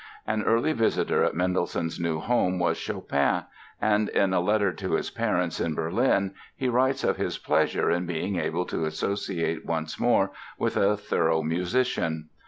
An early visitor at Mendelssohn's new home was Chopin and in a letter to his parents in Berlin he writes of his pleasure in being able to associate once more with a thorough musician.